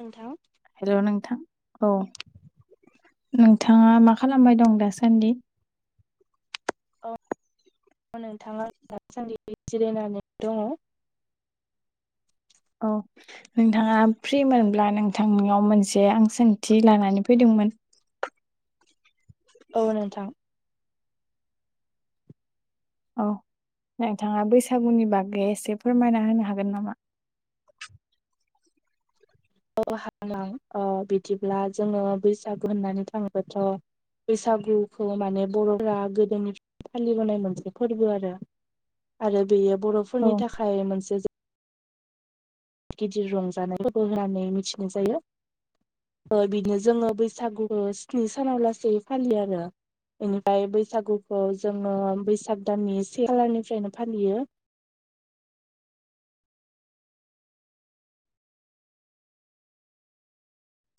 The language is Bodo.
नोंथां हेलौ नोंथां औ नोंथाङा मा खालामबाय दं दासान्दि? औ नोंथां आं दासान्दि जिरायनानै दङ। औ नोंथाङा फ्रिमोनब्ला नोंथांनियाव मोनसे आं सोंथि लानानै फैदोंमोन। औ नोंथां। औ नोंथाङा बैसागुनि बागै एसे फोरमायना होनो हागोन नामा? औ हाग [unintelligible] अ' बिदिब्ला जोङो बैसागु होननानै थाङोबाथ' बैसागुखौ माने बर'फोरा गोदोनिफ्राय फालिबोनाय मोनसे फोरबो आरो। आरो बेयो औ बर'फोरनि थाखाय मोनस गिदिर रंजानाय फोरबो होननानै मिथिनाय जायो। ओ बिदिनो जोङो बैसागुखो स्नि सानाव लासै फालियो आरो। इनिफ्राय बैसागुखौ जोङो बैसाग दाननि से खालारनिफ्रायनो फालियो।